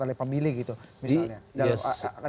atau pemilih gitu misalnya